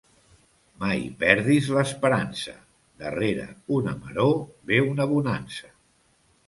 Mai perdis l'esperança: darrere una maror ve una bonança.